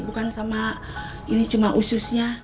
bukan sama ini cuma ususnya